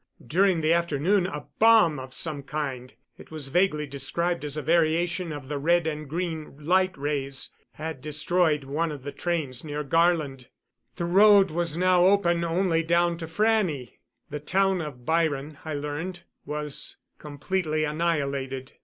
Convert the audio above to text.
During the afternoon a bomb of some kind it was vaguely described as a variation of the red and green light rays had destroyed one of the trains near Garland. The road was now open only down to Frannie. The town of Byron, I learned, was completely annihilated.